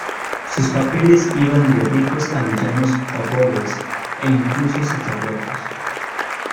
Sus papeles iban de ricos a villanos o pobres, e incluso sacerdotes.